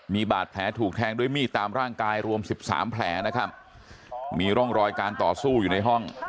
มีบาดแผลถูกแทงด้วยมีดตามร่างกายรวมสิบสามแผลนะครับมีร่องรอยการต่อสู้อยู่ในห้อง